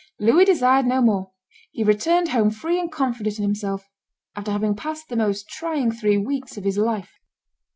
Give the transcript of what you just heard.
Louis desired no more: he returned home free and confident in himself, "after having passed the most trying three weeks of his life."